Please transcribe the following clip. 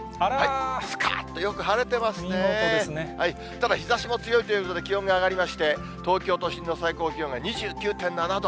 ただ日ざしも強いということで、気温が上がりまして、東京都心の最高気温が２９．７度。